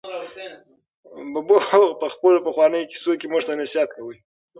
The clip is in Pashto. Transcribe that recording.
ببو په خپلو پخوانیو کیسو کې موږ ته نصیحت کاوه.